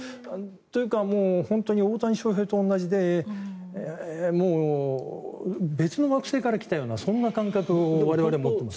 というか、本当に大谷翔平と同じで別の惑星から来たようなそんな感覚を我々は持っています。